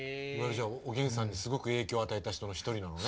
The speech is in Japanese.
じゃあおげんさんにすごく影響を与えた人の一人なのね。